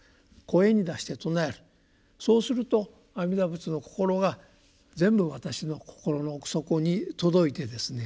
声に出して称えるそうすると阿弥陀仏の心が全部私の心の奥底に届いてですね